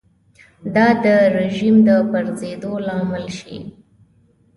دا د رژیم د پرځېدو لامل شي.